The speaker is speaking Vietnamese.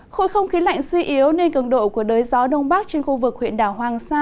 khối không khí lạnh suy yếu nên cường độ của đới gió đông bắc trên khu vực huyện đảo hoàng sa